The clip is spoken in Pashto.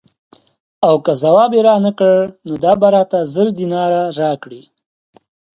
او که ځواب یې رانه کړ نو دا به راته زر دیناره راکړي.